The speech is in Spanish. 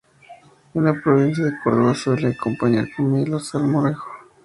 En la provincia de Córdoba se suele acompañar con miel o salmorejo.